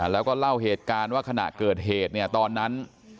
แล้วก็เล่าเหตุการณ์ว่าขณะเกิดเหตุเนี่ยตอนนั้น